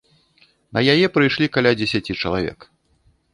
На яе прыйшлі каля дзесяці чалавек.